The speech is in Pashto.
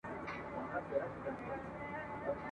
یو ځل دي قبلې ته در بللی وای ..